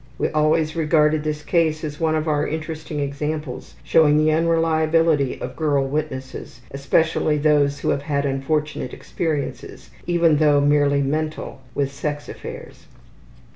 We always regarded this case as one of our interesting examples showing the unreliability of girl witnesses, especially those who have had unfortunate experiences, even though merely mental, with sex affairs.